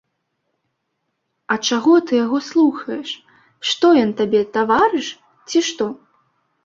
А чаго ты яго слухаеш, што ён табе таварыш, ці што?